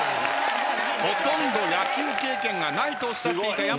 ほとんど野球経験がないとおっしゃっていた矢本さん